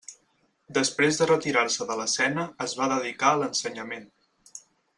Després de retirar-se de l'escena es va dedicar a l'ensenyament.